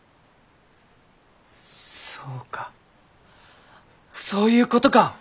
そうかそういうことか！